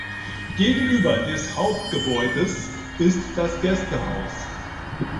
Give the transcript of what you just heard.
Gegenüber des Hauptgebäudes ist das Gästehaus.